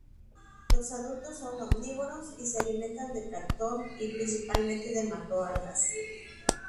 Los adultos son omnívoros y se alimentan de plancton y principalmente de macroalgas.